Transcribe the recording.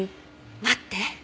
待って。